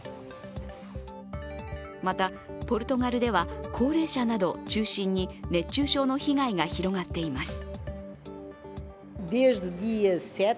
また、ポルトガルでは高齢者などを中心に熱中症の被害が広がっています。